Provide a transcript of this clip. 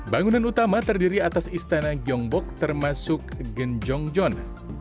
bangunan utama terdiri atas istana gyeongbokg termasuk genjongjeon